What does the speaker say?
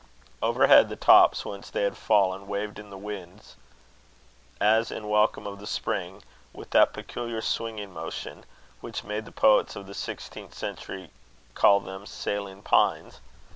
Overhead, the tops whence they had fallen, waved in the wind, as in welcome of the Spring, with that peculiar swinging motion which made the poets of the sixteenth century call them "sailing pines."